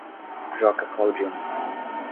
Joca Claudino